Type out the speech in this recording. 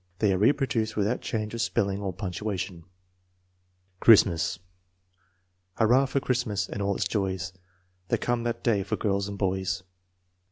They are reproduced without change of spelling or punctuation: Hurrah for Christmas And all it's joys That come that day For girls and boys.